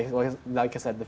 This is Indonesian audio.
seperti yang saya katakan